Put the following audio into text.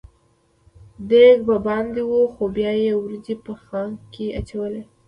دېګ به باندې و خو بیا یې وریجې په خانک کې اچولې.